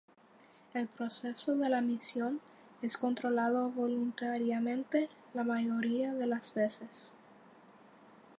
El proceso de la micción es controlado voluntariamente la mayoría de las veces.